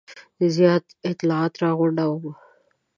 زیات اطلاعات را غونډوم.